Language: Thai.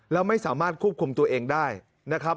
แล้วไม่สามารถควบคุมตัวเองได้นะครับ